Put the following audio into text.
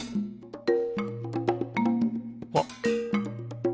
あっ！